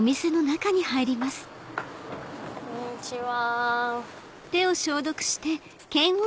こんにちは。